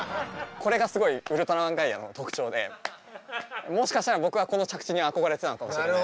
これがすごいウルトラマンガイアの特徴でもしかしたら僕はこの着地に憧れてたのかもしれない。